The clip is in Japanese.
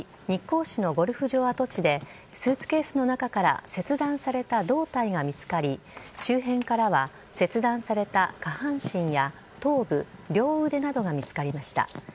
日光市のゴルフ場跡地でスーツケースの中から切断された胴体が見つかり周辺からは切断された下半身や頭部、両腕などが見つかりました。